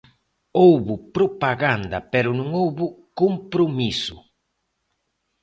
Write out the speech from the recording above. Houbo propaganda pero non houbo compromiso.